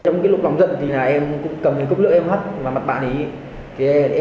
trong lúc lòng giận thì em cầm cốc lưỡi em hắt vào mặt bạn ấy